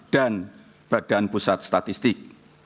dan badan pusat statistik